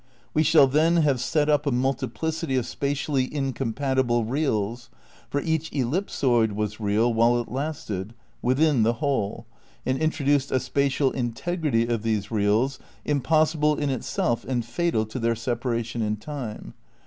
We shall then have set up a multiplicity of spatially incom patible reals (for each ellipsoid was real while it lasted) within the whole, and introduced a spatial in tegrity of these reals, impossible in itself and fatal to their separation in time.